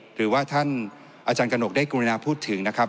หรือว่าท่านอาจารย์กระหนกได้กรุณาพูดถึงนะครับ